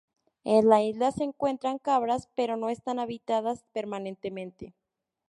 En la isla se encuentran cabras, pero no está habitada permanentemente.